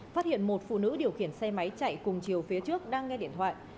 phát hiện một phụ nữ điều khiển xe máy chạy cùng chiều phía trước đang nghe điện thoại